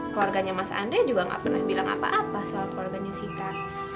keluarganya mas andre juga enggak pernah bilang apa apa soal keluarganya sita